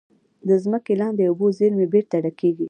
د ځمکې لاندې اوبو زیرمې بېرته ډکېږي.